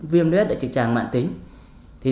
viêm nết đại trực tràng mạng tính